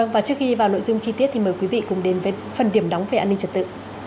và trước khi vào nội dung chi tiết thì mời quý vị cùng đến với phần điểm nóng về an ninh trật tự